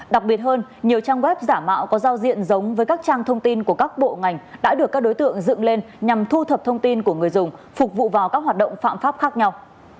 đặc biệt hơn nhiều trang web giả mạo có giao diện giống với các trang thông tin của các bộ ngành đã được các đối tượng dựng lên nhằm thu thập thông tin của người dùng phục vụ vào các hoạt động phạm pháp khác nhau